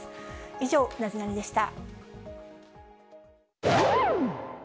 以上、ナゼナニっ？でした。